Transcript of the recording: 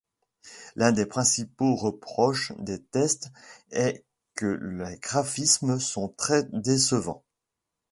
L'un des principaux reproches des tests est que les graphismes sont très décevants.